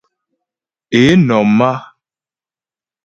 Ě nɔ̀m á.